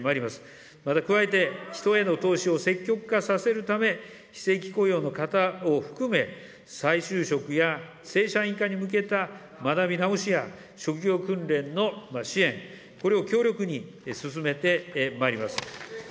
また加えて、人への投資を積極化させるため、非正規雇用の方を含め、再就職や正社員化に向けた学び直しや、職業訓練の支援、これを強力に進めてまいります。